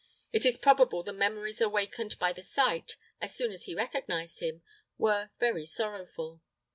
It is probable the memories awakened by the sight, as soon as he recognized him, were very sorrowful.